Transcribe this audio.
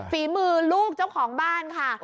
ฝีมือลูกเจ้าของบ้านค่ะ